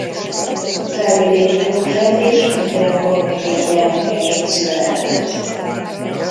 Felvidéki József és Spiegel Kornélia gyermekeként született.